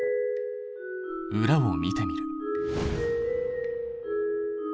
裏を見てみる。